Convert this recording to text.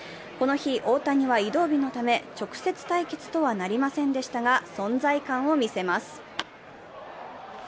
この日、大谷は移動日のため直接対決とはなりませんでしたが存在感を見せます。